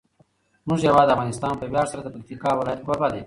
زموږ هیواد افغانستان په ویاړ سره د پکتیکا ولایت کوربه دی.